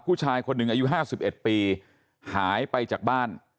ผู้ชายคนหนึ่งอายุ๕๑ปีหายไปจากบ้าน